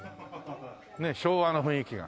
ねえ昭和の雰囲気が。